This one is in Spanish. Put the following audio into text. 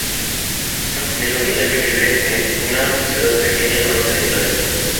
Una familia unida que vive en una ciudad pequeña al norte de Italia.